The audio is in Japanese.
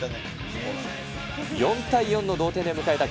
４対４の同点で迎えた